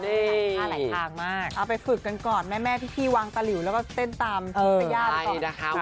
เอาไปฝึกกันก่อนแม่พี่วางตาหลิวแล้วก็เต้นตามทุกสยานก่อน